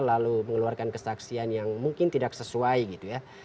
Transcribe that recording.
lalu mengeluarkan kesaksian yang mungkin tidak sesuai gitu ya